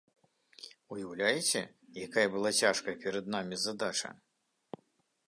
Уяўляеце, якая была цяжкая перад намі задача?